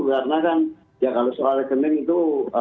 karena kan kalau soal rekening itu